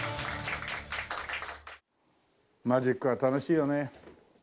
マジックは楽しいよね。